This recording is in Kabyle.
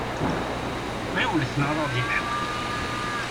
Ɣiflet neɣ ad ɣ-d-yelḥeq!